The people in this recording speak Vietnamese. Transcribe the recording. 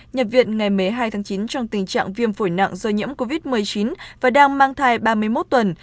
nhập viện ngày một mươi hai tháng chín trong tình trạng viêm phổi nặng do nhiễm covid một mươi chín và đang mang thai ba mươi một tuần